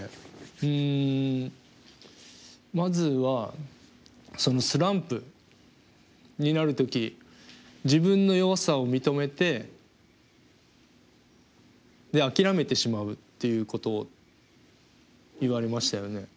うんまずはそのスランプになる時自分の弱さを認めて諦めてしまうっていうことを言われましたよね？